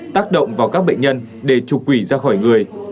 tác động vào các bệnh nhân để trục quỷ ra khỏi người